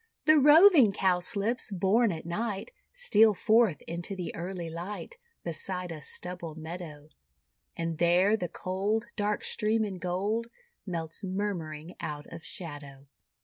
The Roving Cowslips, born at night, Steal forth into the early light, Beside a stubble meadow; And there the cold Dark stream in gold, Melts murmuring out of shadow.